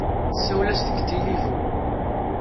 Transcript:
Tessawel-as deg tilifun.